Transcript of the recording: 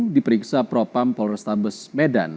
diperiksa propam polrestabes medan